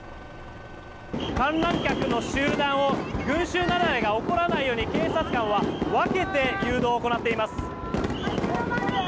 観覧客の集団を群衆雪崩が起きないように警察官は分けて誘導を行っています。